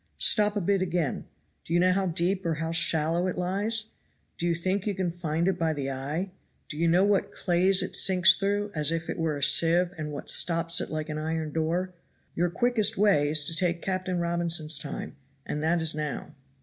Stop a bit again. Do you know how deep or how shallow it lies do you think you can find it by the eye? Do you know what clays it sinks through, as if they were a sieve, and what stops it like an iron door? Your quickest way is to take Captain Robinson's time and that is now."